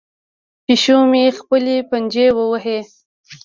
پیشو مې خپلې پنجې وهي.